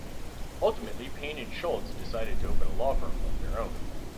Ultimately, Payne and Shultz decided to open a law firm of their own.